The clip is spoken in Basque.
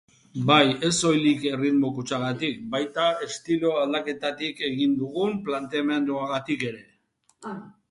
Bai, ez soilik erritmo-kutxagatik, baita estilo-aldaketatik egin dugun planteamenduagatik ere.